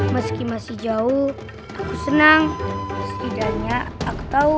meski masih jauh aku senang setidaknya aku tahu